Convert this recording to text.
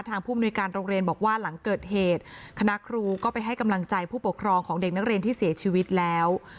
ผู้มนุยการโรงเรียนบอกว่าหลังเกิดเหตุคณะครูก็ไปให้กำลังใจผู้ปกครองของเด็กนักเรียนที่เสียชีวิตแล้ว